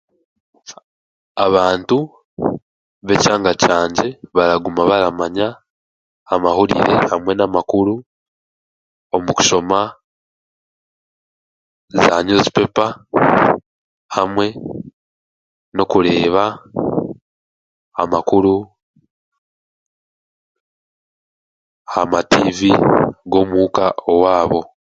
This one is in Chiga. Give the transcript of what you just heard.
Abantu b'ekyanga kyangye baraguma baramanya amahurire hamwe n'amakuru, omu kushoma zaanyuzi pepa hamwe n'okureeba amakuru aha matiivi g'omuuka owaabo